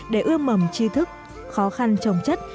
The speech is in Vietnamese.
để ưa mầm chi thức khó khăn chồng chất